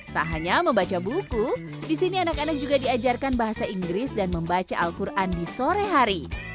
tak hanya membaca buku di sini anak anak juga diajarkan bahasa inggris dan membaca al quran di sore hari